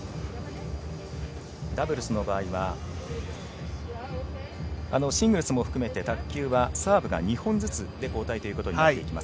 ダブルスの場合はシングルスも含めて卓球はサーブが２本ずつで交代となっていきます。